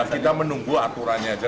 kita menunggu aturannya aja